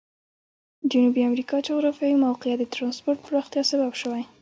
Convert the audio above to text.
جنوبي امریکا جغرافیوي موقعیت د ترانسپورت پراختیا سبب شوی.